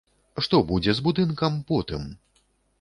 Што будзе з будынкам потым?